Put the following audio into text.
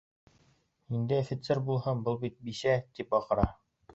Ниндәй офицер булһын, был бит бисә, тип аҡыра.